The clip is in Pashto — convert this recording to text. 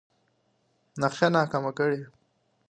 نقشه ناکامه کړي.